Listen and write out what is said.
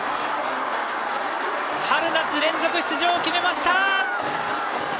春夏連続出場を決めました！